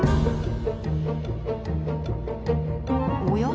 おや？